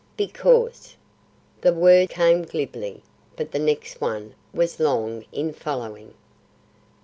"Because " the word came glibly; but the next one was long in following.